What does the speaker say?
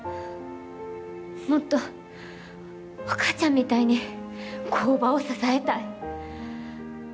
もっとお母ちゃんみたいに工場を支えたい。